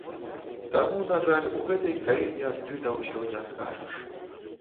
Таму, на жаль, у гэтай краіне адкрыта ўсё не скажаш.